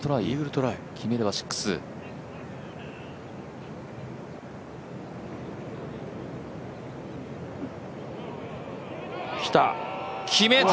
トライ決めれば６。決めた！